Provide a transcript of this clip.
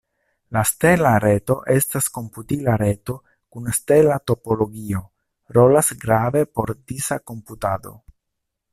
La stela reto estas komputila reto kun stela topologio, rolas grave por disa komputado.